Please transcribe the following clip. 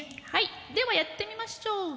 はいではやってみましょう。